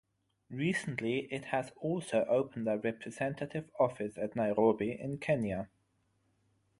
Recently it has also opened a representative office at Nairobi in Kenya.